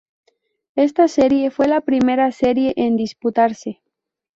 Esta serie fue la primera serie en disputarse.